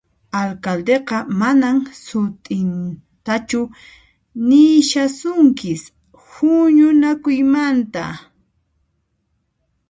Alcaldeqa manan sut'intachu nishasunkis huñunakuymanta